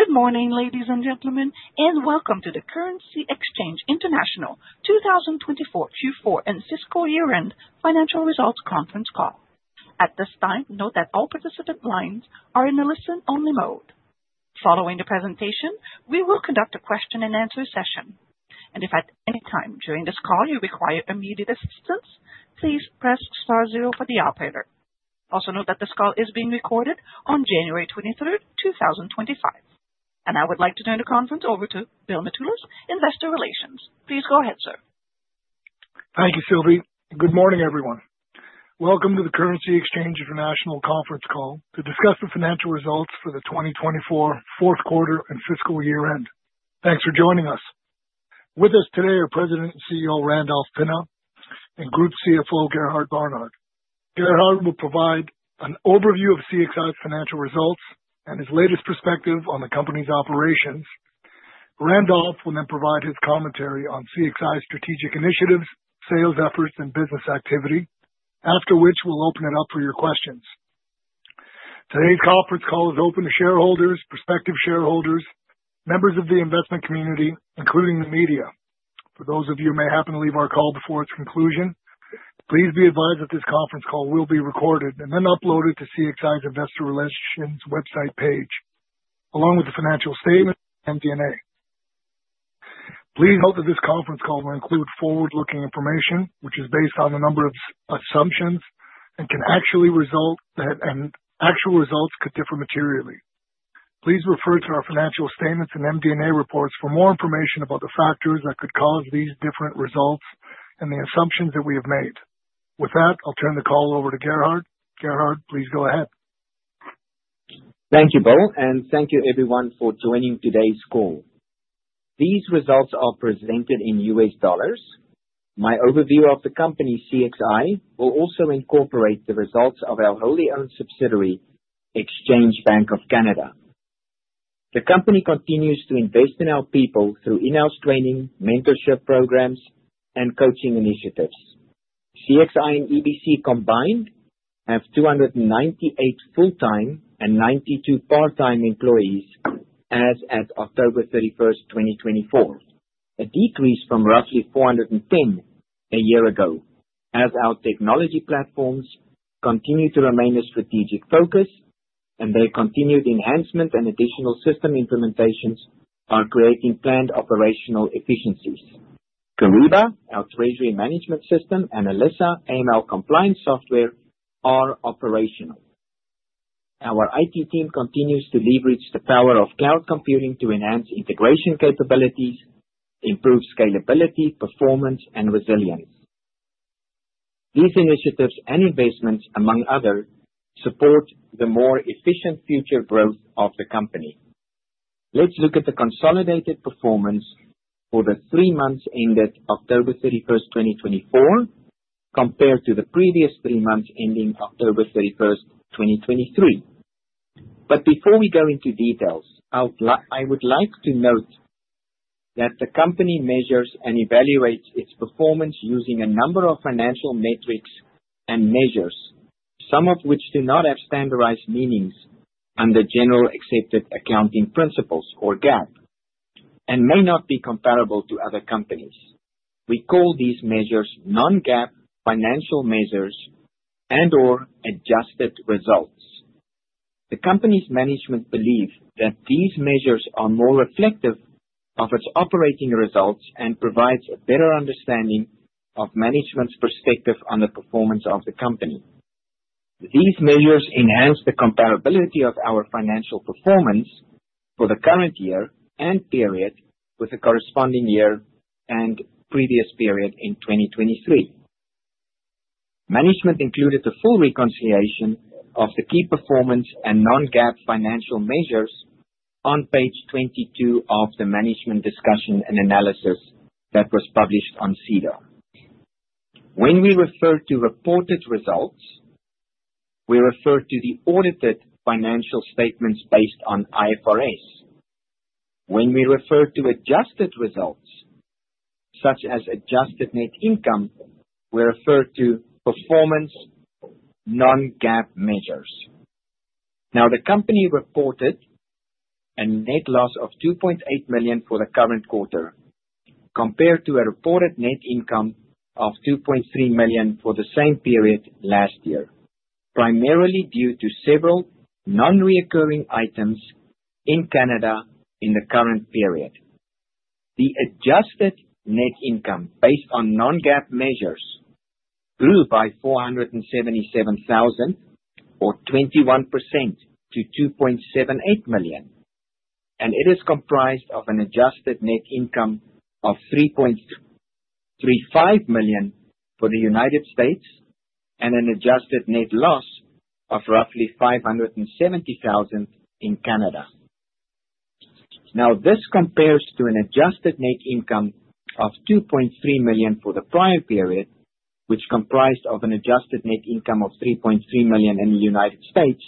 Good morning, ladies and gentlemen, and welcome to the Currency Exchange International 2024 Q4 and Fiscal Year-End Financial Results Conference Call. At this time, note that all participant lines are in a listen-only mode. Following the presentation, we will conduct a question-and-answer session, and if at any time during this call you require immediate assistance, please press star zero for the operator. Also note that this call is being recorded on January 23rd, 2025, and I would like to turn the conference over to Bill Mitoulas, Investor Relations. Please go ahead, sir. Thank you, Sylvie. Good morning, everyone. Welcome to the Currency Exchange International Conference call to discuss the financial results for the 2024 fourth quarter and fiscal year end. Thanks for joining us. With us today are President and CEO Randolph Pinna and Group CFO Gerhard Barnard. Gerhard will provide an overview of CXI's financial results and his latest perspective on the company's operations. Randolph will then provide his commentary on CXI's strategic initiatives, sales efforts, and business activity, after which we'll open it up for your questions. Today's conference call is open to shareholders, prospective shareholders, members of the investment community, including the media. For those of you who may happen to leave our call before its conclusion, please be advised that this conference call will be recorded and then uploaded to CXI's Investor Relations website page, along with the financial statements and MD&A. Please note that this conference call will include forward-looking information, which is based on a number of assumptions and can actually result that actual results could differ materially. Please refer to our financial statements and MD&A reports for more information about the factors that could cause these different results and the assumptions that we have made. With that, I'll turn the call over to Gerhard. Gerhard, please go ahead. Thank you both, and thank you everyone for joining today's call. These results are presented in US dollars. My overview of the company CXI will also incorporate the results of our wholly owned subsidiary, Exchange Bank of Canada. The company continues to invest in our people through in-house training, mentorship programs, and coaching initiatives. CXI and EBC combined have 298 full-time and 92 part-time employees as of October 31st, 2024, a decrease from roughly 410 a year ago, as our technology platforms continue to remain a strategic focus, and their continued enhancement and additional system implementations are creating planned operational efficiencies. Kyriba, our treasury management system, and Alessa AML compliance software are operational. Our IT team continues to leverage the power of cloud computing to enhance integration capabilities, improve scalability, performance, and resilience. These initiatives and investments, among others, support the more efficient future growth of the company. Let's look at the consolidated performance for the three months ended October 31st, 2024, compared to the previous three months ending October 31st, 2023. But before we go into details, I would like to note that the company measures and evaluates its performance using a number of financial metrics and measures, some of which do not have standardized meanings under generally accepted accounting principles or GAAP, and may not be comparable to other companies. We call these measures non-GAAP financial measures and/or adjusted results. The company's management believes that these measures are more reflective of its operating results and provide a better understanding of management's perspective on the performance of the company. These measures enhance the comparability of our financial performance for the current year and period with the corresponding year and previous period in 2023. Management included the full reconciliation of the key performance and non-GAAP financial measures on page 22 of the management's discussion and analysis that was published on SEDAR+. When we refer to reported results, we refer to the audited financial statements based on IFRS. When we refer to adjusted results, such as adjusted net income, we refer to performance non-GAAP measures. Now, the company reported a net loss of $2.8 million for the current quarter compared to a reported net income of $2.3 million for the same period last year, primarily due to several non-recurring items in Canada in the current period. The adjusted net income based on non-GAAP measures grew by $477,000, or 21% to $2.78 million, and it is comprised of an adjusted net income of $3.35 million for the United States and an adjusted net loss of roughly $570,000 in Canada. Now, this compares to an adjusted net income of $2.3 million for the prior period, which comprised of an adjusted net income of $3.3 million in the United States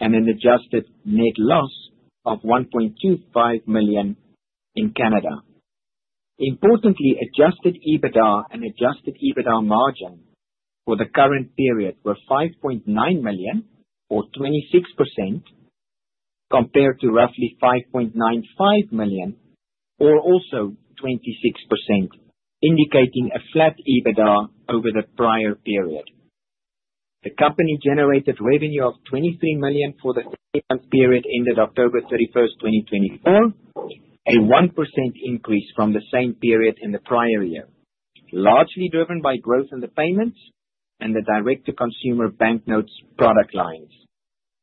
and an adjusted net loss of $1.25 million in Canada. Importantly, adjusted EBITDA and adjusted EBITDA margin for the current period were $5.9 million, or 26%, compared to roughly $5.95 million, or also 26%, indicating a flat EBITDA over the prior period. The company generated revenue of $23 million for the three-month period ended October 31st, 2024, a 1% increase from the same period in the prior year, largely driven by growth in the payments and the direct-to-consumer banknotes product lines,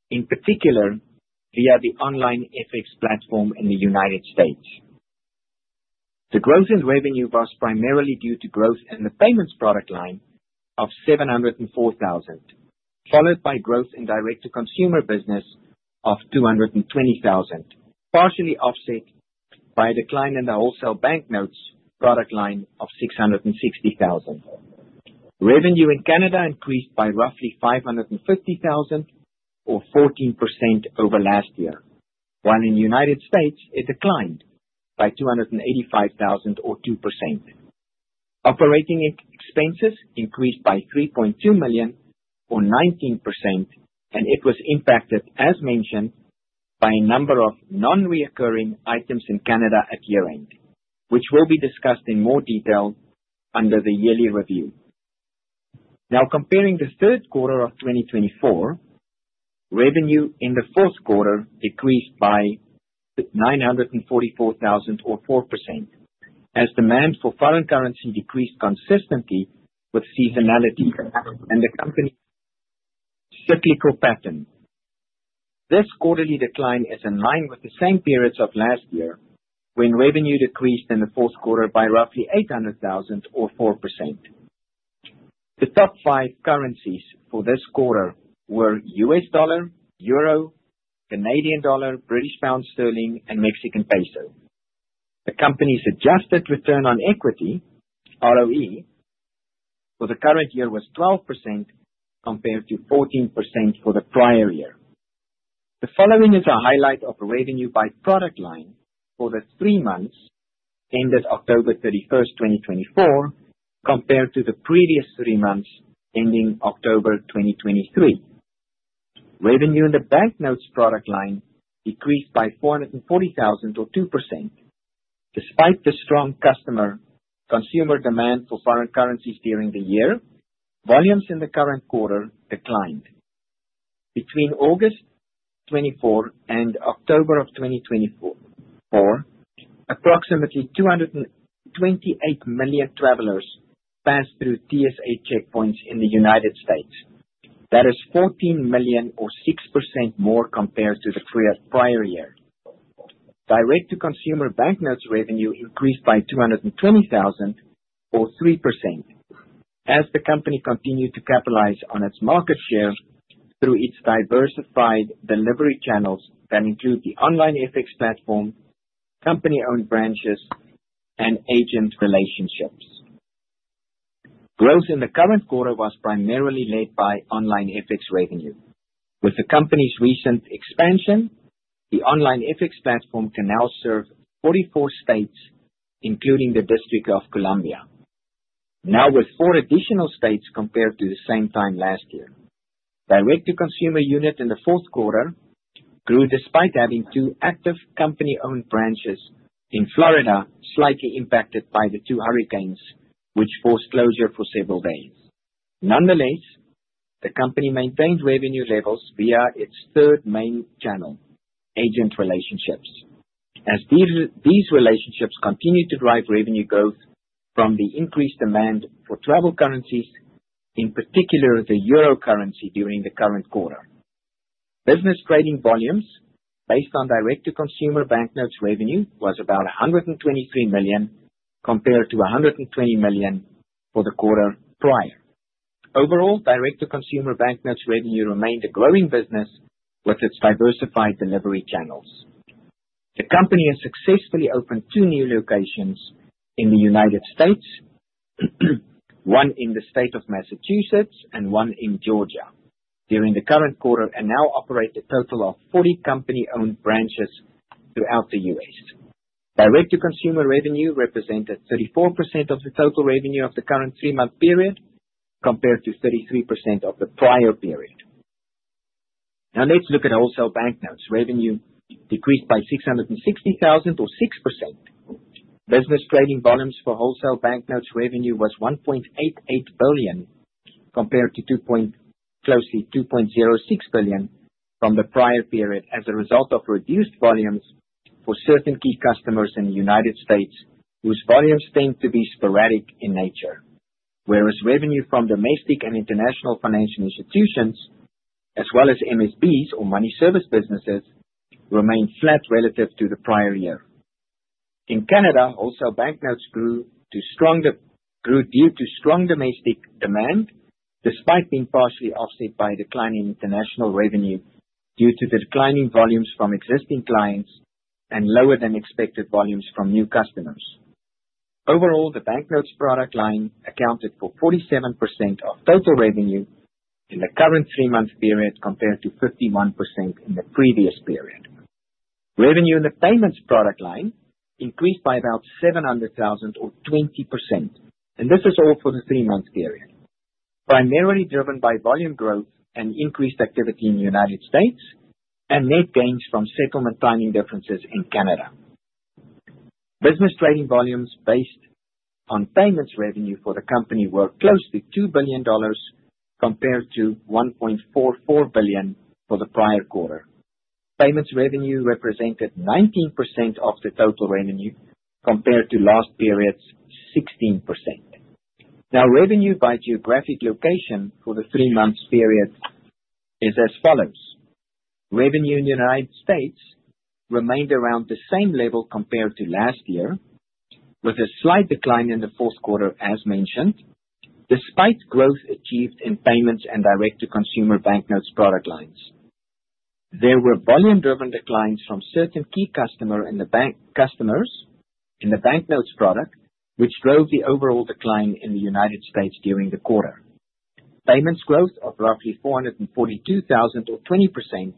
in particular via the online FX platform in the United States. The growth in revenue was primarily due to growth in the payments product line of $704,000, followed by growth in direct-to-consumer business of $220,000, partially offset by a decline in the wholesale banknotes product line of $660,000. Revenue in Canada increased by roughly $550,000, or 14%, over last year, while in the United States it declined by $285,000, or 2%. Operating expenses increased by $3.2 million, or 19%, and it was impacted, as mentioned, by a number of non-recurring items in Canada at year-end, which will be discussed in more detail under the yearly review. Now, comparing the third quarter of 2024, revenue in the fourth quarter decreased by $944,000, or 4%, as demand for foreign currency decreased consistently with seasonality and the company's cyclical pattern. This quarterly decline is in line with the same periods of last year when revenue decreased in the fourth quarter by roughly $800,000, or 4%. The top five currencies for this quarter were US dollar, euro, Canadian dollar, British pound sterling, and Mexican peso. The company's adjusted return on equity, ROE, for the current year was 12% compared to 14% for the prior year. The following is a highlight of revenue by product line for the three months ended October 31st, 2024, compared to the previous three months ending October 2023. Revenue in the banknotes product line decreased by $440,000, or 2%. Despite the strong customer-consumer demand for foreign currencies during the year, volumes in the current quarter declined. Between August 2024 and October of 2024, approximately 228 million travelers passed through TSA checkpoints in the United States. That is 14 million, or 6% more compared to the prior year. Direct-to-consumer banknotes revenue increased by $220,000, or 3%, as the company continued to capitalize on its market share through its diversified delivery channels that include the Online FX platform, company-owned branches, and agent relationships. Growth in the current quarter was primarily led by Online FX revenue. With the company's recent expansion, the Online FX platform can now serve 44 states, including the District of Columbia, now with four additional states compared to the same time last year. Direct-to-consumer unit in the fourth quarter grew despite having two active company-owned branches in Florida, slightly impacted by the two hurricanes which forced closure for several days. Nonetheless, the company maintained revenue levels via its third main channel, agent relationships, as these relationships continued to drive revenue growth from the increased demand for travel currencies, in particular the euro currency, during the current quarter. Business trading volumes based on direct-to-consumer banknotes revenue was about $123 million compared to $120 million for the quarter prior. Overall, direct-to-consumer banknotes revenue remained a growing business with its diversified delivery channels. The company has successfully opened two new locations in the United States, one in the state of Massachusetts and one in Georgia, during the current quarter, and now operate a total of 40 company-owned branches throughout the U.S. Direct-to-consumer revenue represented 34% of the total revenue of the current three-month period compared to 33% of the prior period. Now, let's look at wholesale banknotes revenue decreased by $660,000, or 6%. Business trading volumes for wholesale banknotes revenue was $1.88 billion compared to close to $2.06 billion from the prior period as a result of reduced volumes for certain key customers in the United States whose volumes tend to be sporadic in nature, whereas revenue from domestic and international financial institutions, as well as MSBs or money service businesses, remained flat relative to the prior year. In Canada, wholesale banknotes grew due to strong domestic demand despite being partially offset by a decline in international revenue due to the declining volumes from existing clients and lower-than-expected volumes from new customers. Overall, the banknotes product line accounted for 47% of total revenue in the current three-month period compared to 51% in the previous period. Revenue in the payments product line increased by about $700,000, or 20%, and this is all for the three-month period, primarily driven by volume growth and increased activity in the United States and net gains from settlement timing differences in Canada. Business trading volumes based on payments revenue for the company were close to $2 billion compared to $1.44 billion for the prior quarter. Payments revenue represented 19% of the total revenue compared to last period's 16%. Now, revenue by geographic location for the three-month period is as follows. Revenue in the United States remained around the same level compared to last year, with a slight decline in the fourth quarter, as mentioned, despite growth achieved in payments and direct-to-consumer banknotes product lines. There were volume-driven declines from certain key customers in the banknotes product, which drove the overall decline in the United States during the quarter. Payments growth of roughly 442,000, or 20%,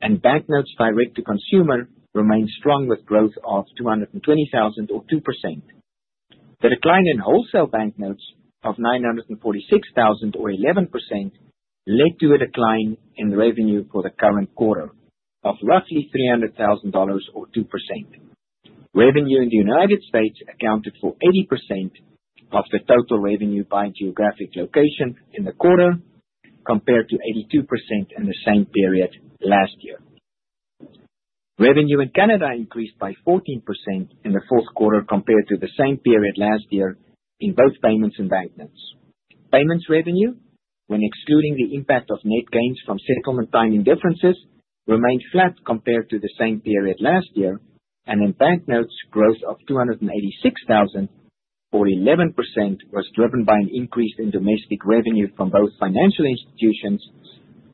and banknotes direct-to-consumer remained strong with growth of 220,000, or 2%. The decline in wholesale banknotes of 946,000, or 11%, led to a decline in revenue for the current quarter of roughly $300,000, or 2%. Revenue in the United States accounted for 80% of the total revenue by geographic location in the quarter compared to 82% in the same period last year. Revenue in Canada increased by 14% in the fourth quarter compared to the same period last year in both payments and banknotes. Payments revenue, when excluding the impact of net gains from settlement timing differences, remained flat compared to the same period last year, and in banknotes, growth of $286,000, or 11%, was driven by an increase in domestic revenue from both financial institutions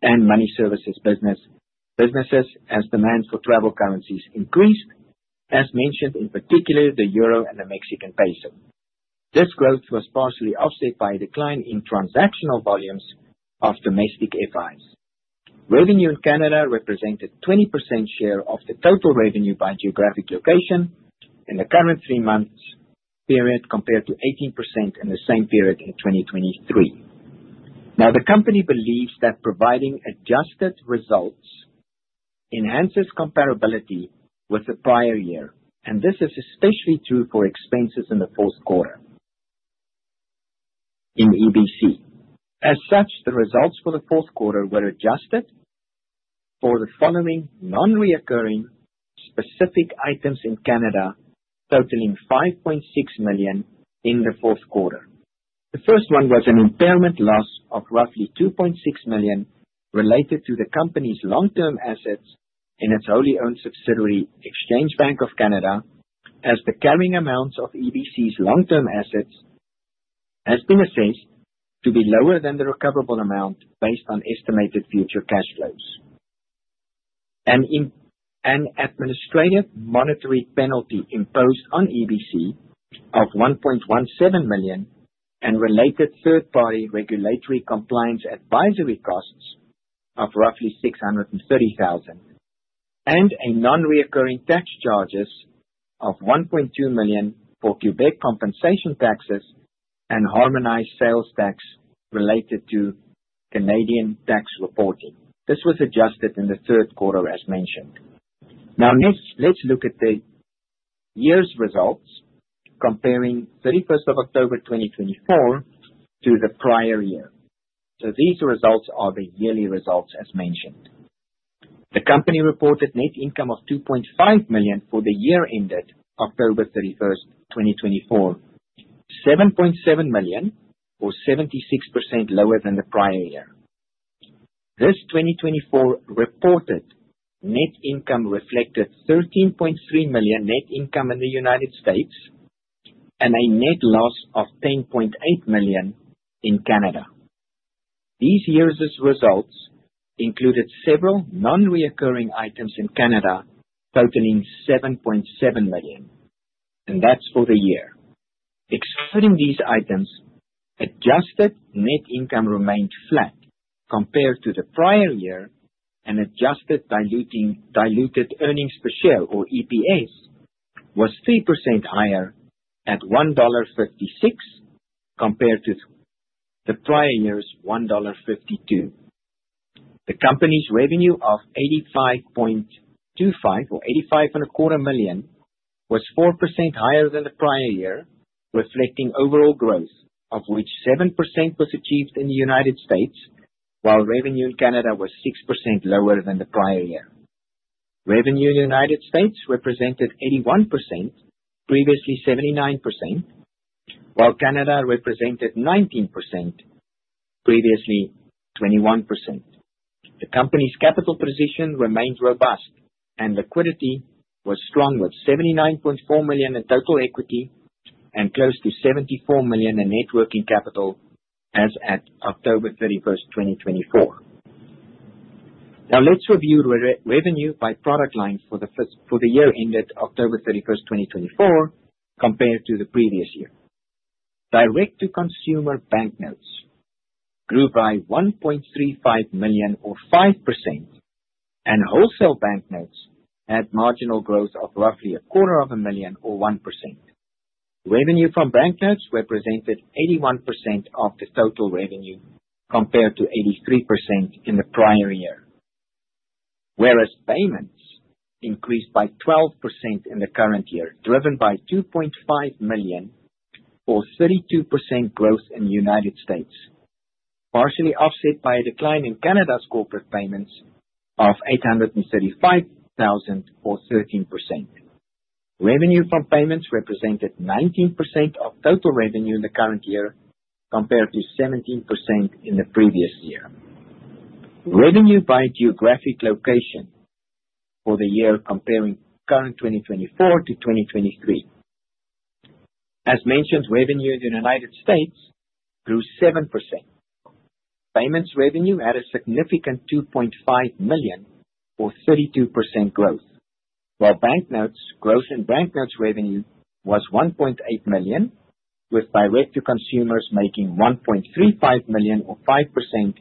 and money services businesses as demand for travel currencies increased, as mentioned in particular the euro and the Mexican peso. This growth was partially offset by a decline in transactional volumes of domestic FIs. Revenue in Canada represented a 20% share of the total revenue by geographic location in the current three-month period compared to 18% in the same period in 2023. Now, the company believes that providing adjusted results enhances comparability with the prior year, and this is especially true for expenses in the fourth quarter in EBC. As such, the results for the fourth quarter were adjusted for the following non-recurring specific items in Canada totaling $5.6 million in the fourth quarter. The first one was an impairment loss of roughly $2.6 million related to the company's long-term assets in its wholly-owned subsidiary, Exchange Bank of Canada, as the carrying amounts of EBC's long-term assets have been assessed to be lower than the recoverable amount based on estimated future cash flows. An administrative monetary penalty imposed on EBC of $1.17 million and related third-party regulatory compliance advisory costs of roughly $630,000, and non-recurring tax charges of $1.2 million for Quebec compensation taxes and harmonized sales tax related to Canadian tax reporting. This was adjusted in the third quarter, as mentioned. Now, let's look at the year's results comparing 31st of October 2024 to the prior year. So these results are the yearly results, as mentioned. The company reported net income of $2.5 million for the year ended October 31st, 2024, $7.7 million, or 76% lower than the prior year. This 2024 reported net income reflected $13.3 million net income in the United States and a net loss of $10.8 million in Canada. This year's results included several non-recurring items in Canada totaling $7.7 million, and that's for the year. Excluding these items, adjusted net income remained flat compared to the prior year, and adjusted diluted earnings per share, or EPS, was 3% higher at $1.56 compared to the prior year's $1.52. The company's revenue of $85.25 million, or 85 and a quarter million, was 4% higher than the prior year, reflecting overall growth, of which 7% was achieved in the United States, while revenue in Canada was 6% lower than the prior year. Revenue in the United States represented 81%, previously 79%, while Canada represented 19%, previously 21%. The company's capital position remained robust, and liquidity was strong with $79.4 million in total equity and close to $74 million in net working capital as at October 31st, 2024. Now, let's review revenue by product line for the year ended October 31st, 2024, compared to the previous year. Direct-to-consumer banknotes grew by $1.35 million, or 5%, and wholesale banknotes had marginal growth of roughly $250,000, or 1%. Revenue from banknotes represented 81% of the total revenue compared to 83% in the prior year, whereas payments increased by 12% in the current year, driven by $2.5 million, or 32% growth in the United States, partially offset by a decline in Canada's corporate payments of $835,000, or 13%. Revenue from payments represented 19% of total revenue in the current year compared to 17% in the previous year. Revenue by geographic location for the year comparing current 2024 to 2023. As mentioned, revenue in the United States grew 7%. Payments revenue had a significant $2.5 million, or 32% growth, while banknotes' growth in banknotes revenue was $1.8 million, with direct-to-consumers making $1.35 million, or 5%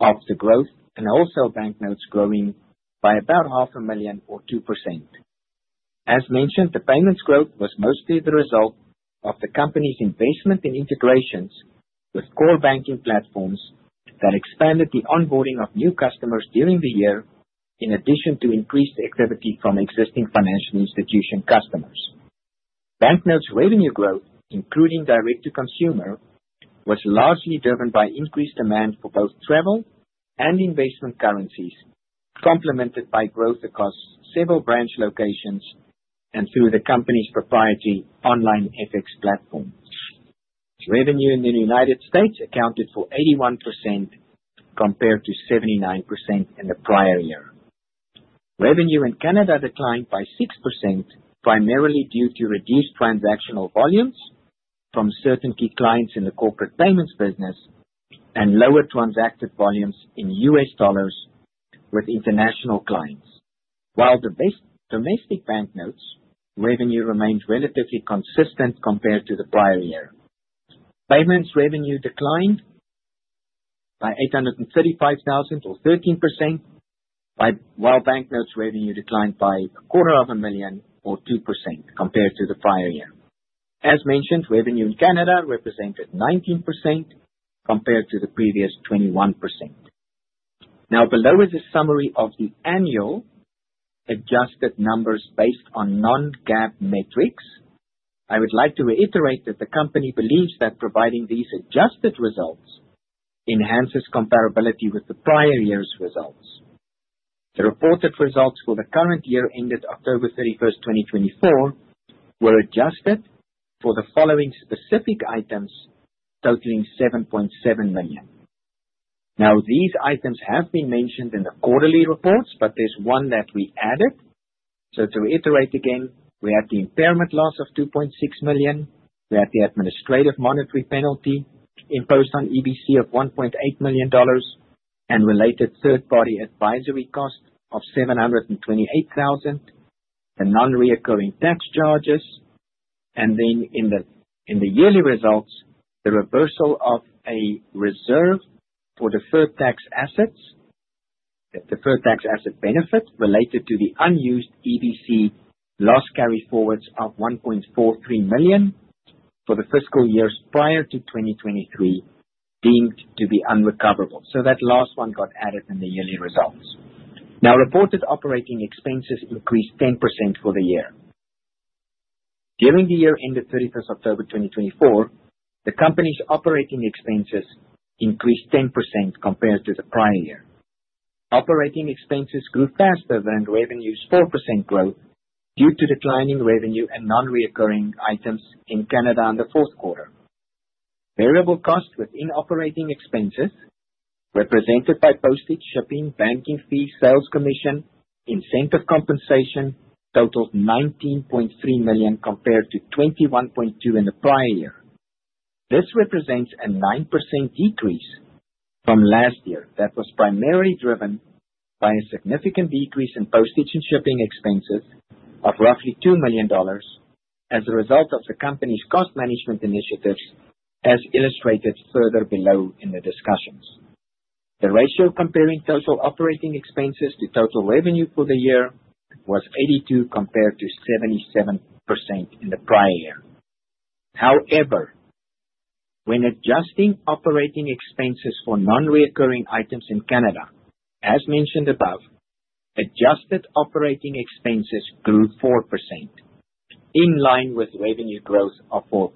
of the growth, and wholesale banknotes growing by about $500,000, or 2%. As mentioned, the payments growth was mostly the result of the company's investment in integrations with core banking platforms that expanded the onboarding of new customers during the year, in addition to increased activity from existing financial institution customers. Banknotes' revenue growth, including direct-to-consumer, was largely driven by increased demand for both travel and investment currencies, complemented by growth across several branch locations and through the company's proprietary Online FX platform. Revenue in the United States accounted for 81% compared to 79% in the prior year. Revenue in Canada declined by 6%, primarily due to reduced transactional volumes from certain key clients in the corporate payments business and lower transacted volumes in US dollars with international clients, while the domestic banknotes revenue remained relatively consistent compared to the prior year. Payments revenue declined by $835,000, or 13%, while banknotes revenue declined by $250,000, or 2%, compared to the prior year. As mentioned, revenue in Canada represented 19% compared to the previous 21%. Now, below is a summary of the annual adjusted numbers based on non-GAAP metrics. I would like to reiterate that the company believes that providing these adjusted results enhances comparability with the prior year's results. The reported results for the current year ended October 31st, 2024, were adjusted for the following specific items totaling $7.7 million. Now, these items have been mentioned in the quarterly reports, but there's one that we added. So to reiterate again, we had the impairment loss of $2.6 million. We had the administrative monetary penalty imposed on EBC of $1.8 million and related third-party advisory costs of $728,000, the non-recurring tax charges, and then in the yearly results, the reversal of a reserve for deferred tax assets, the deferred tax asset benefit related to the unused EBC loss carry forwards of $1.43 million for the fiscal years prior to 2023 deemed to be unrecoverable. So that last one got added in the yearly results. Now, reported operating expenses increased 10% for the year. During the year ended 31st October 2024, the company's operating expenses increased 10% compared to the prior year. Operating expenses grew faster than revenue's 4% growth due to declining revenue and non-recurring items in Canada in the fourth quarter. Variable costs within operating expenses represented by postage shipping, banking fee, sales commission, incentive compensation totaled $19.3 million compared to $21.2 million in the prior year. This represents a 9% decrease from last year that was primarily driven by a significant decrease in postage and shipping expenses of roughly $2 million as a result of the company's cost management initiatives, as illustrated further below in the discussions. The ratio comparing total operating expenses to total revenue for the year was 82% compared to 77% in the prior year. However, when adjusting operating expenses for non-recurring items in Canada, as mentioned above, adjusted operating expenses grew 4% in line with revenue growth of 4%.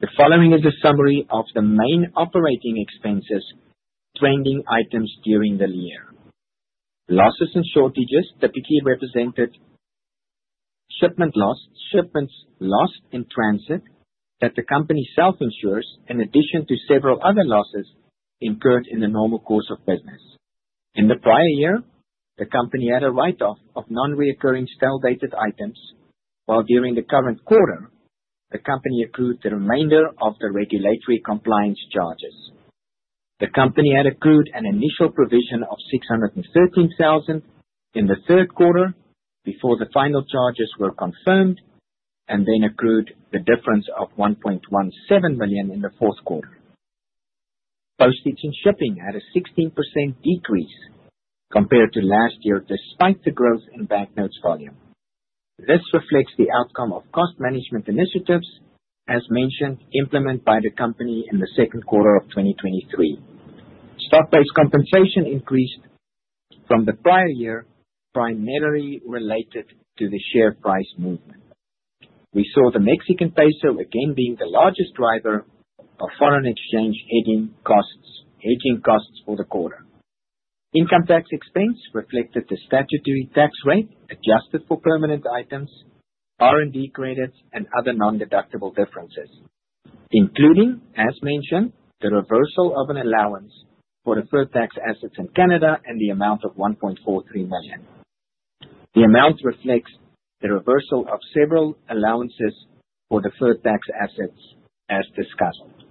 The following is a summary of the main operating expenses trending items during the year. Losses and shortages typically represented shipment loss in transit that the company self-insures, in addition to several other losses incurred in the normal course of business. In the prior year, the company had a write-off of non-recurring stale-dated items, while during the current quarter, the company accrued the remainder of the regulatory compliance charges. The company had accrued an initial provision of $613,000 in the third quarter before the final charges were confirmed and then accrued the difference of $1.17 million in the fourth quarter. Postage and shipping had a 16% decrease compared to last year despite the growth in banknotes volume. This reflects the outcome of cost management initiatives, as mentioned, implemented by the company in the second quarter of 2023. Stock price compensation increased from the prior year primarily related to the share price movement. We saw the Mexican peso again being the largest driver of foreign exchange hedging costs for the quarter. Income tax expense reflected the statutory tax rate adjusted for permanent items, R&D credits, and other non-deductible differences, including, as mentioned, the reversal of an allowance for deferred tax assets in Canada and the amount of $1.43 million. The amount reflects the reversal of several allowances for deferred tax assets as discussed.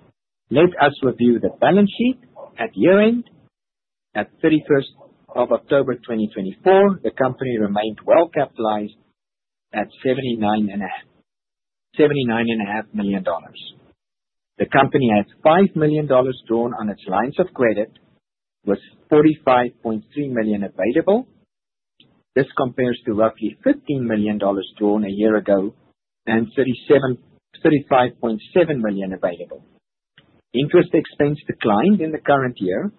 Let us review the balance sheet at year-end. At 31st of October 2024, the company remained well-capitalized at $79.5 million. The company had $5 million drawn on its lines of credit, with $45.3 million available. This compares to roughly $15 million drawn a year ago and $35.7 million available. Interest expense declined in the current year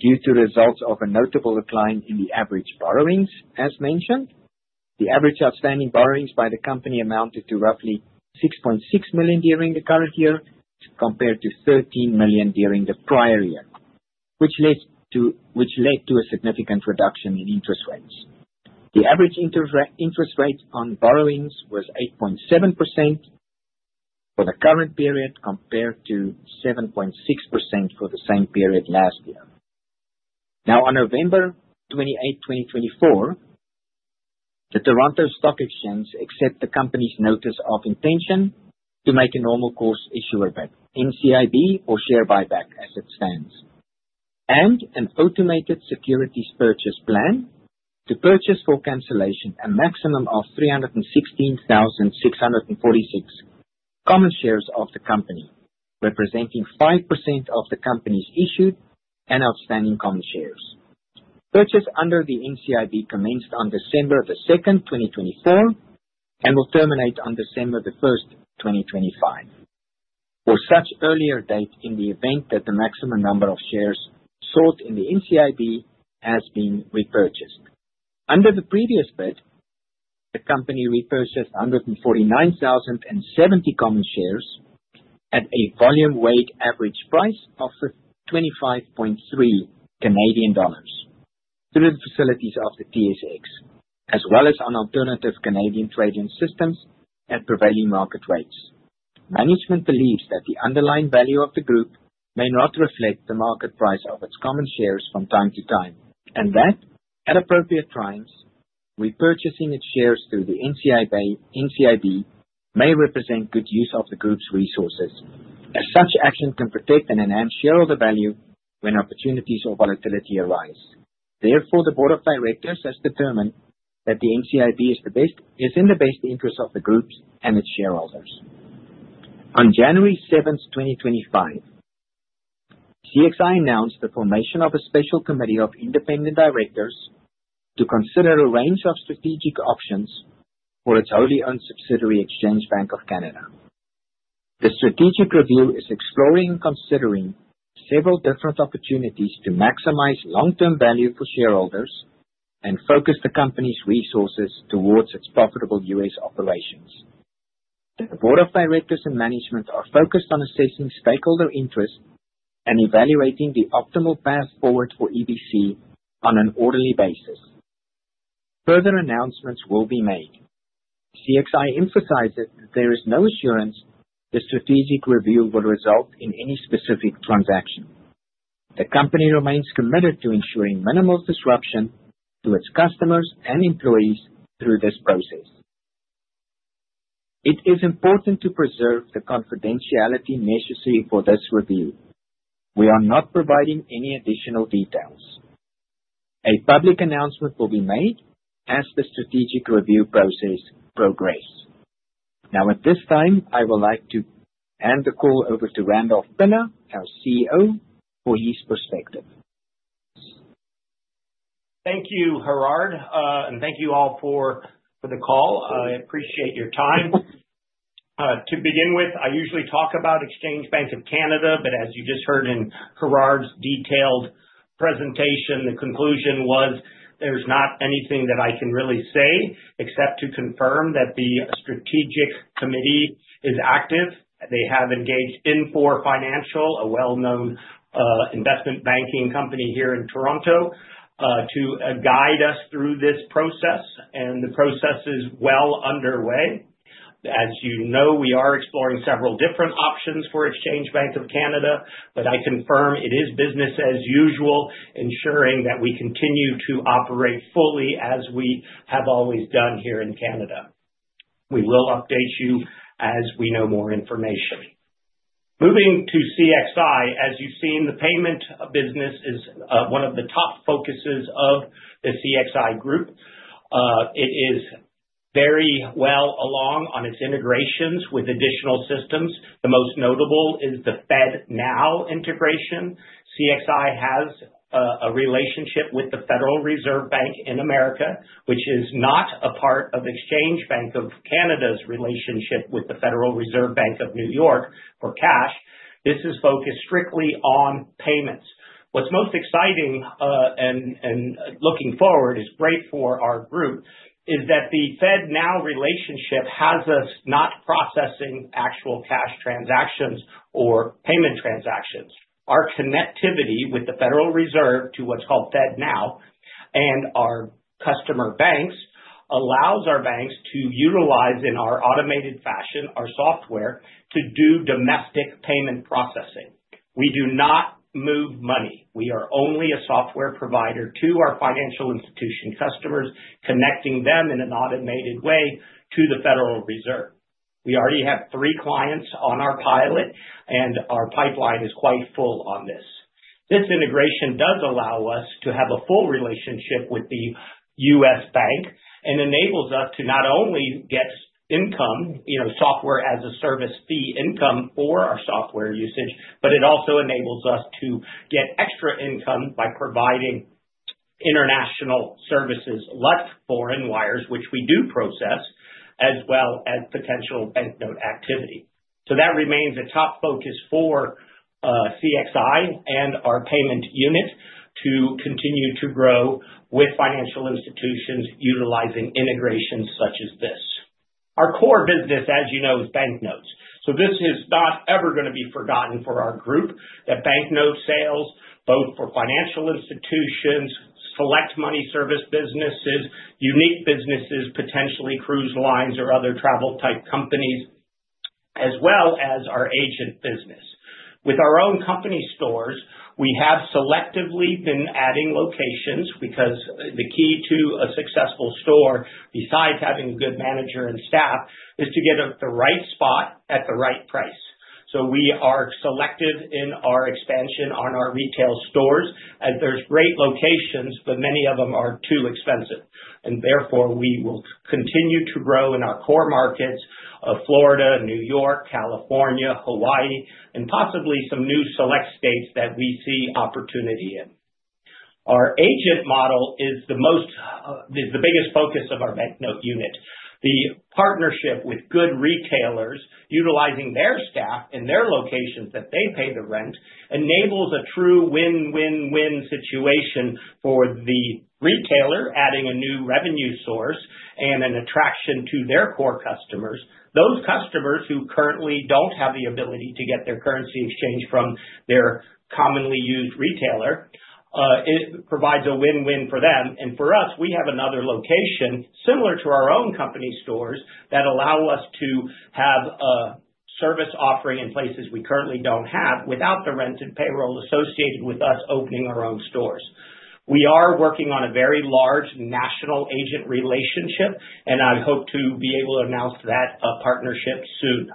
due to results of a notable decline in the average borrowings, as mentioned. The average outstanding borrowings by the company amounted to roughly $6.6 million during the current year compared to $13 million during the prior year, which led to a significant reduction in interest rates. The average interest rate on borrowings was 8.7% for the current period compared to 7.6% for the same period last year. Now, on November 28, 2024, the Toronto Stock Exchange accepted the company's notice of intention to make a normal course issuer bid, NCIB, or share buyback as it stands, and an automated securities purchase plan to purchase for cancellation a maximum of 316,646 common shares of the company, representing 5% of the company's issued and outstanding common shares. Purchase under the NCIB commenced on December 2nd, 2024, and will terminate on December 1st, 2025, or such earlier date in the event that the maximum number of shares sought in the NCIB has been repurchased. Under the previous bid, the company repurchased 149,070 common shares at a volume-weighted average price of 25.3 Canadian dollars through the facilities of the TSX, as well as on alternative Canadian trading systems at prevailing market rates. Management believes that the underlying value of the group may not reflect the market price of its common shares from time to time, and that, at appropriate times, repurchasing its shares through the NCIB may represent good use of the group's resources, as such action can protect and enhance shareholder value when opportunities or volatility arise. Therefore, the Board of Directors has determined that the NCIB is in the best interest of the group and its shareholders. On January 7th, 2025, CXI announced the formation of a special committee of independent directors to consider a range of strategic options for its wholly owned subsidiary Exchange Bank of Canada. The strategic review is exploring and considering several different opportunities to maximize long-term value for shareholders and focus the company's resources towards its profitable US operations. The Board of Directors and Management are focused on assessing stakeholder interest and evaluating the optimal path forward for EBC on an orderly basis. Further announcements will be made. CXI emphasizes that there is no assurance the strategic review will result in any specific transaction. The company remains committed to ensuring minimal disruption to its customers and employees through this process. It is important to preserve the confidentiality necessary for this review. We are not providing any additional details. A public announcement will be made as the strategic review process progresses. Now, at this time, I would like to hand the call over to Randolph Pinna, our CEO, for his perspective. Thank you, Gerhard, and thank you all for the call. I appreciate your time. To begin with, I usually talk about Exchange Bank of Canada, but as you just heard in Gerhard's detailed presentation, the conclusion was there's not anything that I can really say except to confirm that the strategic committee is active. They have engaged INFOR Financial, a well-known investment banking company here in Toronto, to guide us through this process, and the process is well underway. As you know, we are exploring several different options for Exchange Bank of Canada, but I confirm it is business as usual, ensuring that we continue to operate fully as we have always done here in Canada. We will update you as we know more information. Moving to CXI, as you've seen, the payment business is one of the top focuses of the CXI group. It is very well along on its integrations with additional systems. The most notable is the FedNow integration. CXI has a relationship with the Federal Reserve Bank in America, which is not a part of Exchange Bank of Canada's relationship with the Federal Reserve Bank of New York for cash. This is focused strictly on payments. What's most exciting and looking forward, it's great for our group, is that the FedNow relationship has us not processing actual cash transactions or payment transactions. Our connectivity with the Federal Reserve to what's called FedNow and our customer banks allows our banks to utilize in our automated fashion our software to do domestic payment processing. We do not move money. We are only a software provider to our financial institution customers, connecting them in an automated way to the Federal Reserve. We already have three clients on our pilot, and our pipeline is quite full on this. This integration does allow us to have a full relationship with the U.S. bank and enables us to not only get income, software as a service fee income for our software usage, but it also enables us to get extra income by providing international services, less foreign wires, which we do process, as well as potential banknote activity, so that remains a top focus for CXI and our payment unit to continue to grow with financial institutions utilizing integrations such as this. Our core business, as you know, is banknotes. So this is not ever going to be forgotten for our group, that banknote sales, both for financial institutions, select money service businesses, unique businesses, potentially cruise lines or other travel type companies, as well as our agent business. With our own company stores, we have selectively been adding locations because the key to a successful store, besides having a good manager and staff, is to get at the right spot at the right price. So we are selective in our expansion on our retail stores, as there's great locations, but many of them are too expensive. And therefore, we will continue to grow in our core markets of Florida, New York, California, Hawaii, and possibly some new select states that we see opportunity in. Our agent model is the biggest focus of our banknote unit. The partnership with good retailers, utilizing their staff and their locations that they pay the rent, enables a true win-win-win situation for the retailer, adding a new revenue source and an attraction to their core customers. Those customers who currently don't have the ability to get their currency exchanged from their commonly used retailer. It provides a win-win for them, and for us, we have another location similar to our own company stores that allow us to have a service offering in places we currently don't have without the rent and payroll associated with us opening our own stores. We are working on a very large national agent relationship, and I hope to be able to announce that partnership soon.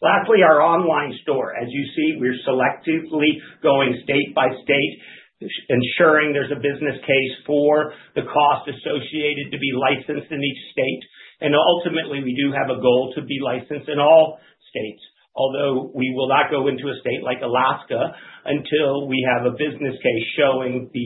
Lastly, our online store. As you see, we're selectively going state by state, ensuring there's a business case for the cost associated to be licensed in each state. Ultimately, we do have a goal to be licensed in all states, although we will not go into a state like Alaska until we have a business case showing the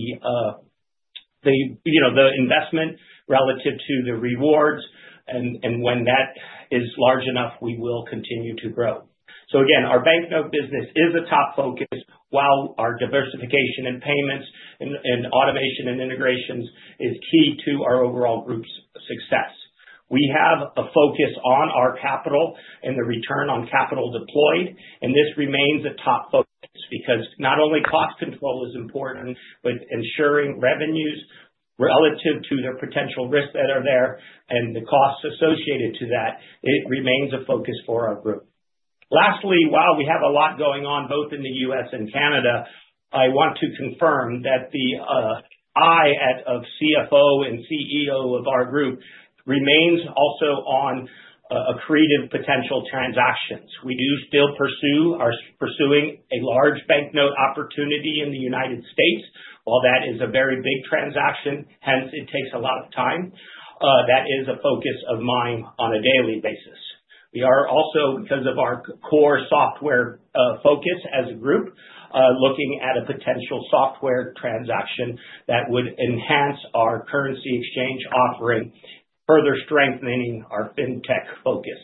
investment relative to the rewards. When that is large enough, we will continue to grow. Again, our banknote business is a top focus, while our diversification and payments and automation and integrations is key to our overall group's success. We have a focus on our capital and the return on capital deployed, and this remains a top focus because not only cost control is important, but ensuring revenues relative to the potential risk that are there and the costs associated to that, it remains a focus for our group. Lastly, while we have a lot going on both in the U.S. and Canada, I want to confirm that the eye of the CFO and CEO of our group remains also on accretive potential transactions. We do still pursue a large banknote opportunity in the United States. While that is a very big transaction, hence it takes a lot of time, that is a focus of mine on a daily basis. We are also, because of our core software focus as a group, looking at a potential software transaction that would enhance our currency exchange offering, further strengthening our fintech focus.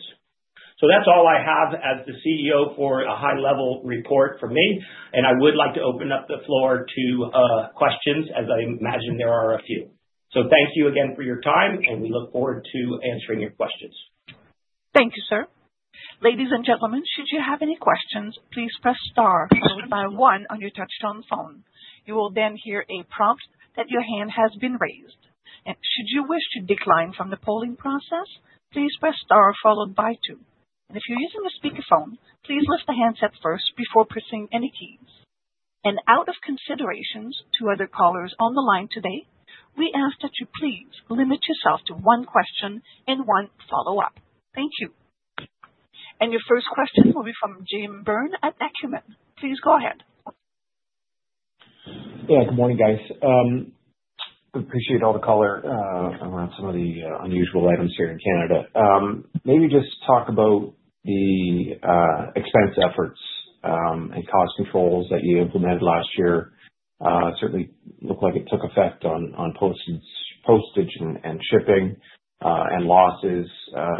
So that's all I have as the CEO for a high-level report from me, and I would like to open up the floor to questions, as I imagine there are a few. So thank you again for your time, and we look forward to answering your questions. Thank you, sir. Ladies and gentlemen, should you have any questions, please press star followed by one on your touch-tone phone. You will then hear a prompt that your hand has been raised. Should you wish to decline from the polling process, please press star followed by two. If you're using a speakerphone, please lift the handset first before pressing any keys. Out of consideration to other callers on the line today, we ask that you please limit yourself to one question and one follow-up. Thank you. Your first question will be from Jim Byrne at Acumen. Please go ahead. Yeah, good morning, guys. Appreciate all the color around some of the unusual items here in Canada. Maybe just talk about the expense efforts and cost controls that you implemented last year. Certainly, it looked like it took effect on postage and shipping and losses.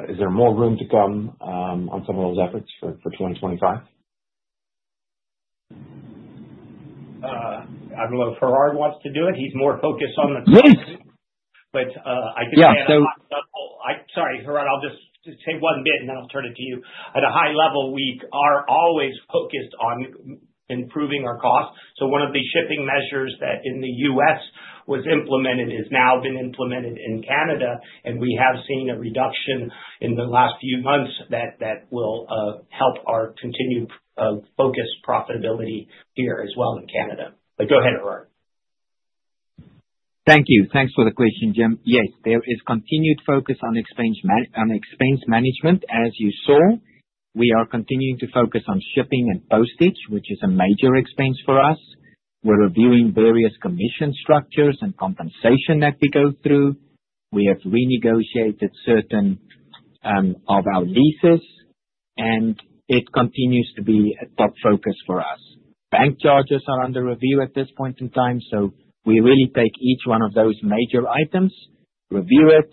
Is there more room to come on some of those efforts for 2025? I don't know if Gerhard wants to do it. He's more focused on the cost. But I can say on some, sorry, Gerhard, I'll just say one bit, and then I'll turn it to you. At a high level, we are always focused on improving our costs. So one of the shipping measures that in the US was implemented has now been implemented in Canada, and we have seen a reduction in the last few months that will help our continued focus profitability here as well in Canada. But go ahead, Gerhard. Thank you. Thanks for the question, Jim. Yes, there is continued focus on expense management. As you saw, we are continuing to focus on shipping and postage, which is a major expense for us. We're reviewing various commission structures and compensation that we go through. We have renegotiated certain of our leases, and it continues to be a top focus for us. Bank charges are under review at this point in time, so we really take each one of those major items, review it,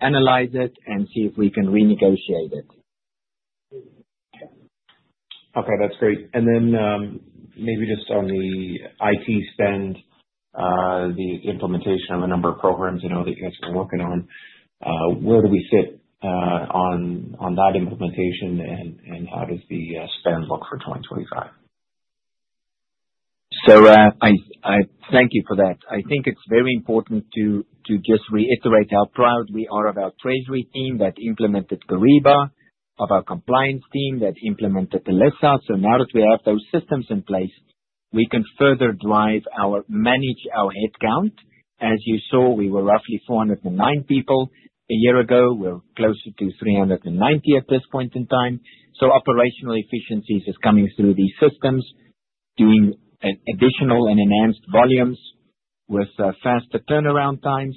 analyze it, and see if we can renegotiate it. Okay, that's great. And then maybe just on the IT spend, the implementation of a number of programs that you guys are working on, where do we sit on that implementation, and how does the spend look for 2025? So I thank you for that. I think it's very important to just reiterate how proud we are of our treasury team that implemented Kyriba, of our compliance team that implemented Alessa. So now that we have those systems in place, we can further drive our manage our headcount. As you saw, we were roughly 409 people a year ago. We're closer to 390 at this point in time. Operational efficiencies are coming through these systems, doing additional and enhanced volumes with faster turnaround times.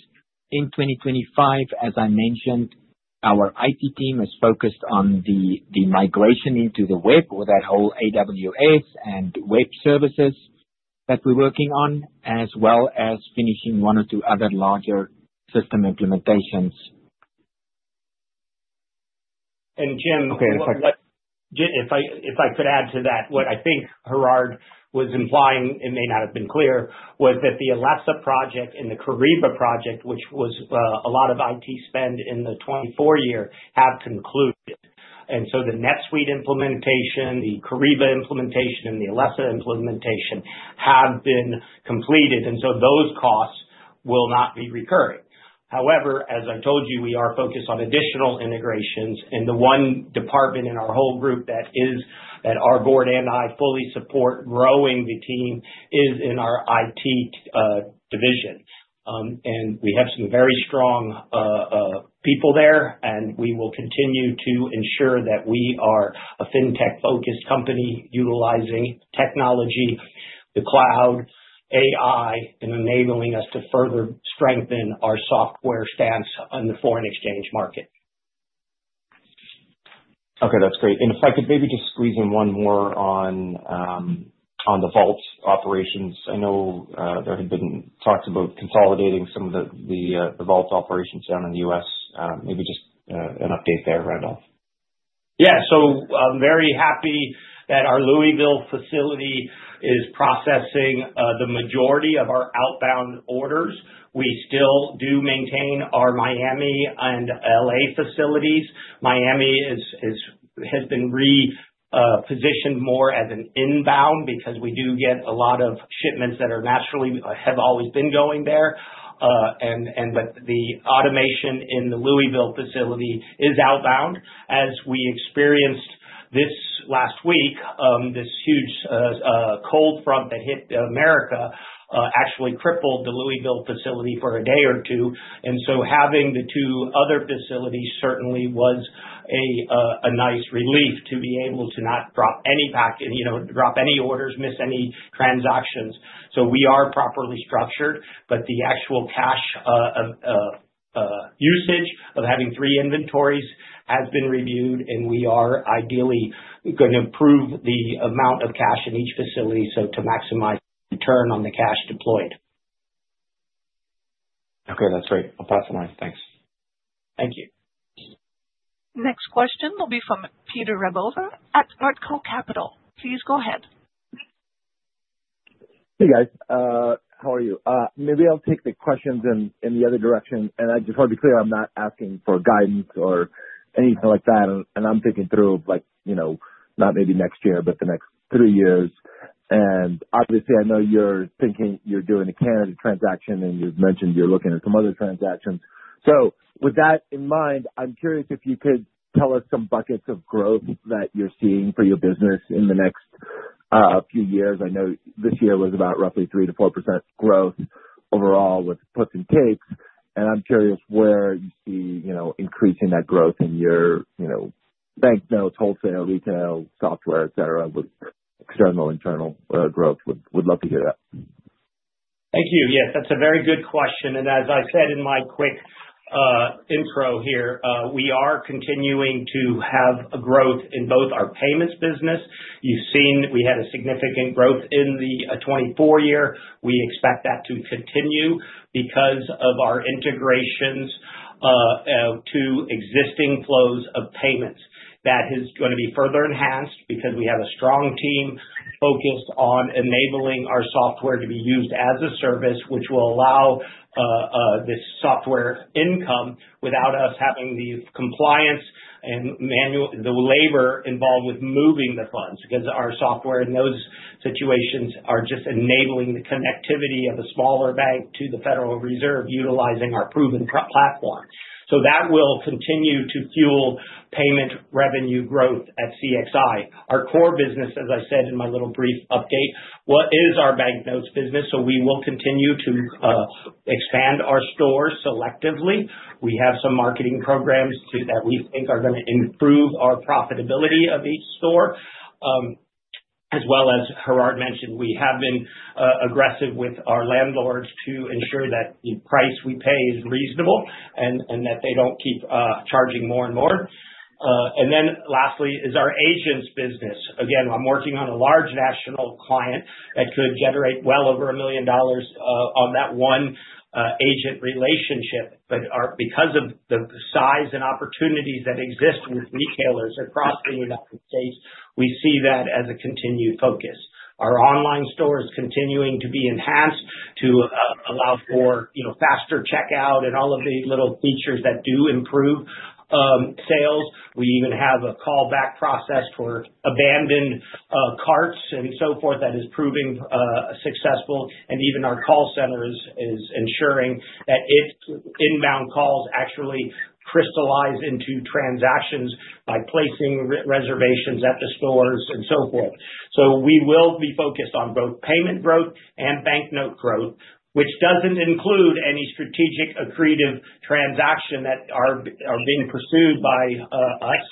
In 2025, as I mentioned, our IT team is focused on the migration into the web with that whole AWS and web services that we're working on, as well as finishing one or two other larger system implementations. Jim, if I could add to that, what I think Gerhard was implying, it may not have been clear, was that the Alaska project and the Kyriba project, which was a lot of IT spend in 2024, have concluded. The NetSuite implementation, the Kyriba implementation, and the Alaska implementation have been completed, and so those costs will not be recurring. However, as I told you, we are focused on additional integrations, and the one department in our whole group that our board and I fully support growing the team is in our IT division. And we have some very strong people there, and we will continue to ensure that we are a fintech-focused company utilizing technology, the cloud, AI, and enabling us to further strengthen our software stance on the foreign exchange market. Okay, that's great. And if I could maybe just squeeze in one more on the vault operations, I know there had been talks about consolidating some of the vault operations down in the U.S. Maybe just an update there, Randolph. Yeah, so I'm very happy that our Louisville facility is processing the majority of our outbound orders. We still do maintain our Miami and LA facilities. Miami has been repositioned more as an inbound because we do get a lot of shipments that have always been going there, but the automation in the Louisville facility is outbound. As we experienced this last week, this huge cold front that hit America actually crippled the Louisville facility for a day or two, and so having the two other facilities certainly was a nice relief to be able to not drop any pack, drop any orders, miss any transactions. So we are properly structured, but the actual cash usage of having three inventories has been reviewed, and we are ideally going to improve the amount of cash in each facility to maximize return on the cash deployed. Okay, that's great. I'll pass it on. Thanks. Thank you. Next question will be from Peter Rabover at Artko Capital. Please go ahead. Hey, guys. How are you? Maybe I'll take the questions in the other direction. And I just want to be clear, I'm not asking for guidance or anything like that. And I'm thinking through not maybe next year, but the next three years. And obviously, I know you're thinking you're doing a Canada transaction, and you've mentioned you're looking at some other transactions. So with that in mind, I'm curious if you could tell us some buckets of growth that you're seeing for your business in the next three years. I know this year was about roughly 3%-4% growth overall with puts and takes. And I'm curious where you see increasing that growth in your banknotes, wholesale, retail, software, etc., with external, internal growth. Would love to hear that. Thank you. Yes, that's a very good question. As I said in my quick intro here, we are continuing to have a growth in both our payments business. You've seen we had a significant growth in 2024. We expect that to continue because of our integrations to existing flows of payments. That is going to be further enhanced because we have a strong team focused on enabling our software to be used as a service, which will allow this software income without us having the compliance and the labor involved with moving the funds because our software in those situations are just enabling the connectivity of a smaller bank to the Federal Reserve utilizing our proven platform. That will continue to fuel payment revenue growth at CXI. Our core business, as I said in my little brief update, is our banknotes business. We will continue to expand our stores selectively. We have some marketing programs that we think are going to improve our profitability of each store. As well as Gerhard mentioned, we have been aggressive with our landlords to ensure that the price we pay is reasonable and that they don't keep charging more and more, and then lastly is our agents business. Again, I'm working on a large national client that could generate well over $1 million on that one agent relationship. But because of the size and opportunities that exist with retailers across the United States, we see that as a continued focus. Our online store is continuing to be enhanced to allow for faster checkout and all of the little features that do improve sales. We even have a callback process for abandoned carts and so forth that is proving successful. And even our call center is ensuring that its inbound calls actually crystallize into transactions by placing reservations at the stores and so forth. So we will be focused on both payment growth and banknote growth, which doesn't include any strategic accretive transaction that are being pursued by us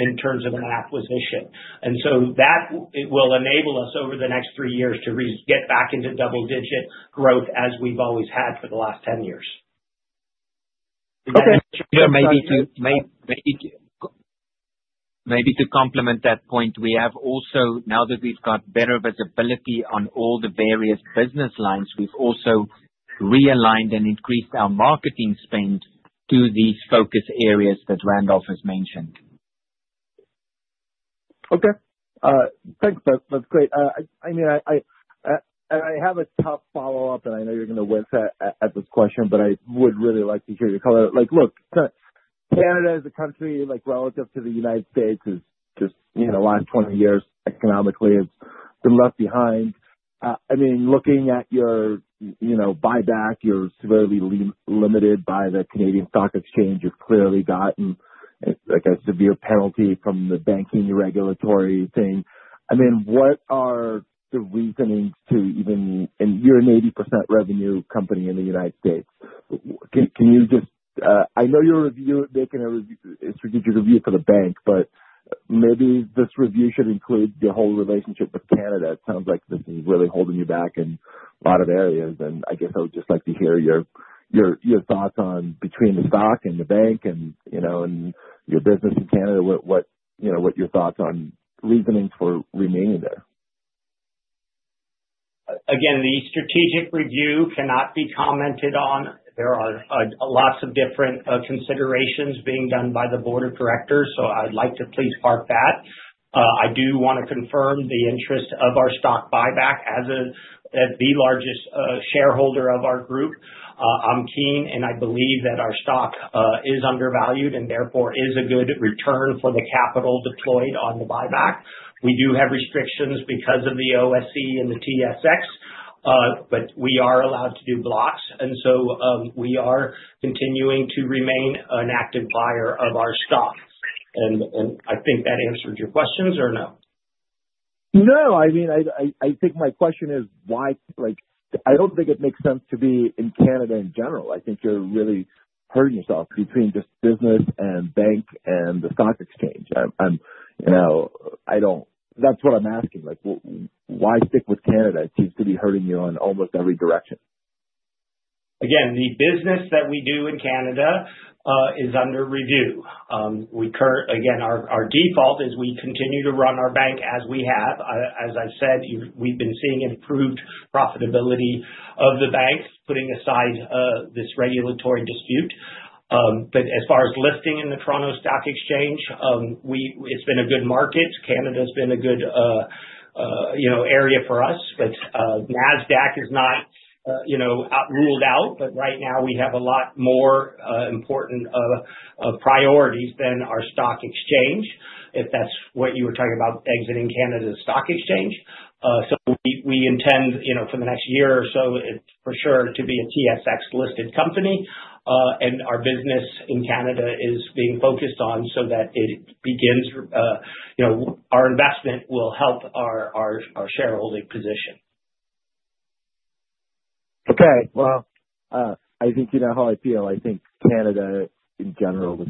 in terms of an acquisition. And so that will enable us over the next three years to get back into double-digit growth as we've always had for the last 10 years. Okay. Maybe to complement that point, we have also, now that we've got better visibility on all the various business lines, we've also realigned and increased our marketing spend to these focus areas that Randolph has mentioned. Okay. Thanks. That's great. I mean, I have a tough follow-up, and I know you're going to wince at this question, but I would really like to hear your color. Look, Canada as a country, relative to the United States, is just, in the last 20 years, economically, it's been left behind. I mean, looking at your buyback, you're severely limited by the Toronto Stock Exchange. You've clearly gotten a severe penalty from the banking regulatory thing. I mean, what are the reasonings to even - and you're an 80% revenue company in the United States. Can you just - I know you're making a strategic review for the bank, but maybe this review should include your whole relationship with Canada. It sounds like this is really holding you back in a lot of areas. And I guess I would just like to hear your thoughts on between the stock and the bank and your business in Canada, what your thoughts on reasonings or remaining there? Again, the strategic review cannot be commented on. There are lots of different considerations being done by the board of directors, so I'd like to please park that. I do want to confirm the interest of our stock buyback as the largest shareholder of our group. I'm keen, and I believe that our stock is undervalued and therefore is a good return for the capital deployed on the buyback. We do have restrictions because of the OSC and the TSX, but we are allowed to do blocks, and so we are continuing to remain an active buyer of our stock. And I think that answered your questions or no? No. I mean, I think my question is why, I don't think it makes sense to be in Canada in general. I think you're really hurting yourself between just business and bank and the stock exchange. That's what I'm asking. Why stick with Canada? It seems to be hurting you in almost every direction. Again, the business that we do in Canada is under review. Again, our default is we continue to run our bank as we have. As I said, we've been seeing improved profitability of the bank, putting aside this regulatory dispute. But as far as listing in the Toronto Stock Exchange, it's been a good market. Canada has been a good area for us, but Nasdaq is not ruled out. But right now, we have a lot more important priorities than our stock exchange, if that's what you were talking about, exiting Canada's stock exchange. So we intend for the next year or so, for sure, to be a TSX-listed company. And our business in Canada is being focused on so that it begins. Our investment will help our shareholding position. Okay. Well, I think you know how I feel. I think Canada, in general, was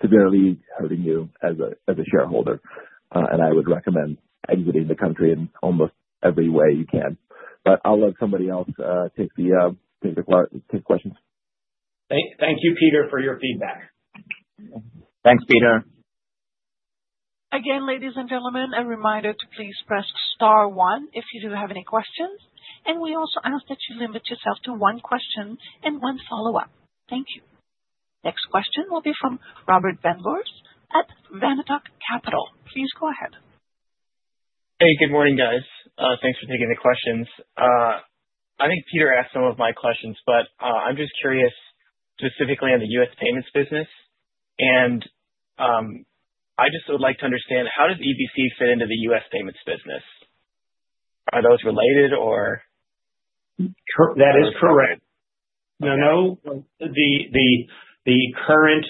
severely hurting you as a shareholder. And I would recommend exiting the country in almost every way you can. But I'll let somebody else take the questions. Thank you, Peter, for your feedback. Thanks, Peter. Again, ladies and gentlemen, a reminder to please press star one if you do have any questions. And we also ask that you limit yourself to one question and one follow-up. Thank you. Next question will be from Robert Van Voorhis at Vanatoc Capital. Please go ahead. Hey, good morning, guys. Thanks for taking the questions. I think Peter asked some of my questions, but I'm just curious specifically on the U.S. payments business. And I just would like to understand how does EBC fit into the U.S. payments business? Are those related, or? That is correct. No, no The current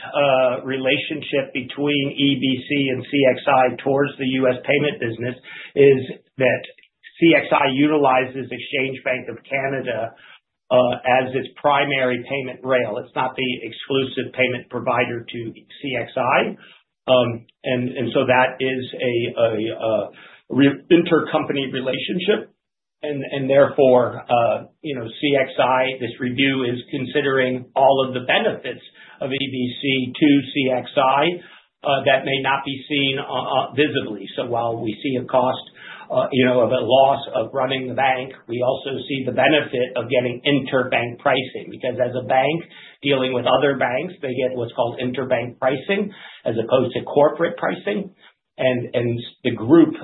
relationship between EBC and CXI towards the U.S. payment business is that CXI utilizes Exchange Bank of Canada as its primary payment rail. It's not the exclusive payment provider to CXI. And so that is an intercompany relationship. And therefore, CXI, this review, is considering all of the benefits of EBC to CXI that may not be seen visibly. So while we see a cost of a loss of running the bank, we also see the benefit of getting interbank pricing because, as a bank dealing with other banks, they get what's called interbank pricing as opposed to corporate pricing. And the group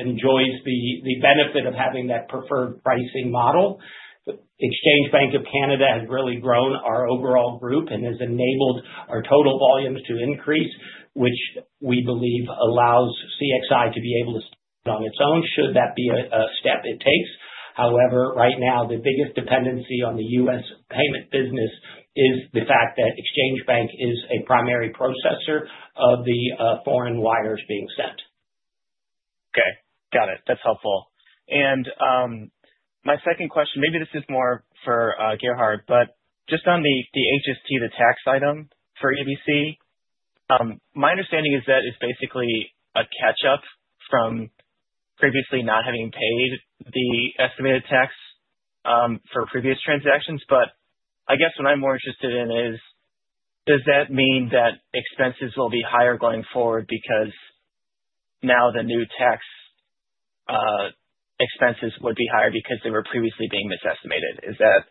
enjoys the benefit of having that preferred pricing model. Exchange Bank of Canada has really grown our overall group and has enabled our total volumes to increase, which we believe allows CXI to be able to stand on its own should that be a step it takes. However, right now, the biggest dependency on the U.S. payment business is the fact that Exchange Bank is a primary processor of the foreign wires being sent. Okay. Got it. That's helpful. And my second question, maybe this is more for Gerhard, but just on the HST, the tax item for EBC, my understanding is that it's basically a catch-up from previously not having paid the estimated tax for previous transactions. But I guess what I'm more interested in is, does that mean that expenses will be higher going forward because now the new tax expenses would be higher because they were previously being misestimated? Is that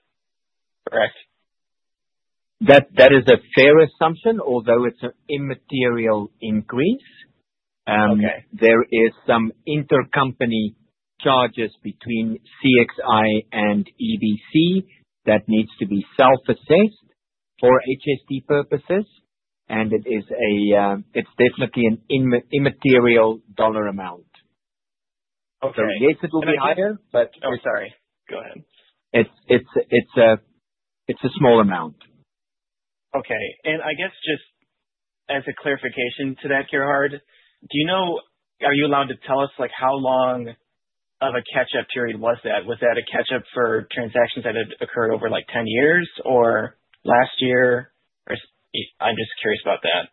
correct? That is a fair assumption, although it's an immaterial increase. There is some intercompany charges between CXI and EBC that needs to be self-assessed for HST purposes. And it's definitely an immaterial dollar amount. So yes, it will be higher, but. Sorry. Go ahead. It's a small amount. Okay. And I guess just as a clarification to that, Gerhard, are you allowed to tell us how long of a catch-up period was that? Was that a catch-up for transactions that had occurred over 10 years or last year? I'm just curious about that.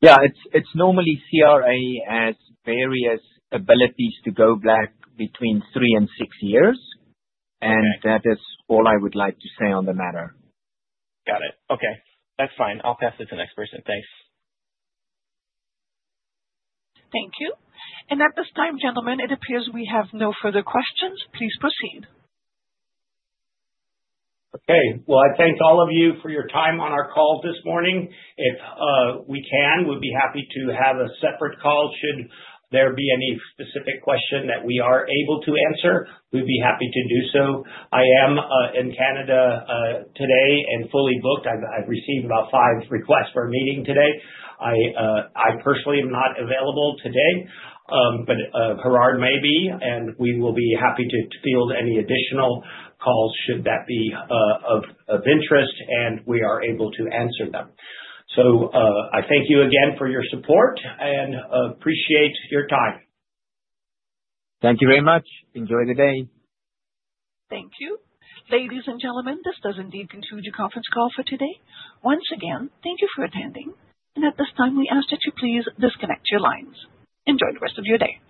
Yeah. It's normally CRA has various abilities to go back between three and six years. And that is all I would like to say on the matter. Got it. Okay. That's fine. I'll pass this to the next person. Thanks. Thank you. And at this time, gentlemen, it appears we have no further questions. Please proceed. Okay. Well, I thank all of you for your time on our call this morning. If we can, we'd be happy to have a separate call should there be any specific question that we are able to answer. We'd be happy to do so. I am in Canada today and fully booked. I've received about five requests for a meeting today. I personally am not available today, but Gerhard may be. And we will be happy to field any additional calls should that be of interest and we are able to answer them. So I thank you again for your support and appreciate your time. Thank you very much. Enjoy the day. Thank you. Ladies and gentlemen, this does indeed conclude your conference call for today. Once again, thank you for attending. And at this time, we ask that you please disconnect your lines. Enjoy the rest of your day.